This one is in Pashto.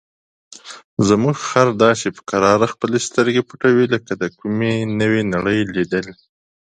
زموږ خر داسې په کراره خپلې سترګې پټوي لکه د کومې نوې نړۍ لیدل.